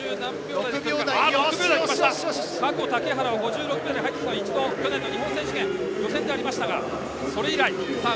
竹原は５６秒で入ったのは去年の日本選手権予選でありましたがそれ以来。